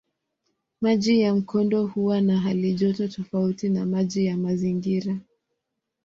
Maji ya mkondo huwa na halijoto tofauti na maji ya mazingira.